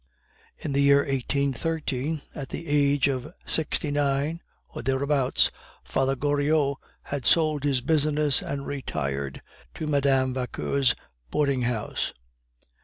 In the year 1813, at the age of sixty nine or thereabouts, "Father Goriot" had sold his business and retired to Mme. Vauquer's boarding house.